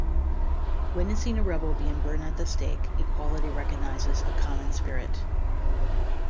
Witnessing a rebel being burned at the stake, Equality recognizes a common spirit.